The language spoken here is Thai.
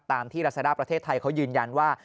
ตามที่รัสด้าประเทศไทยเขายืนยันว่า